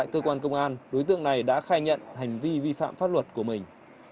cơ quan công an đối tượng này đã khai nhận hành vi vi phạm pháp luật của mình